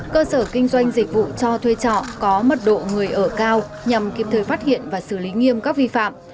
cơ sở kinh doanh dịch vụ cho thuê trọ có mật độ người ở cao nhằm kiếm thời phát hiện và xử lý nghiêm các vi phạm